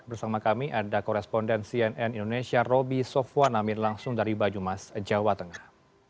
bersama kami ada koresponden cnn indonesia roby sofwan amin langsung dari banyumas jawa tengah